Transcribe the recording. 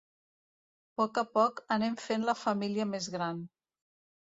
Poc a poc anem fent la família més gran.